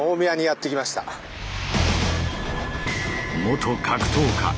元格闘家。